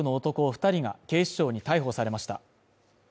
二人が警視庁に逮捕されました